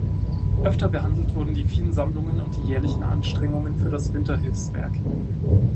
Öfter behandelt wurden die vielen Sammlungen und die jährlichen Anstrengungen für das Winterhilfswerk.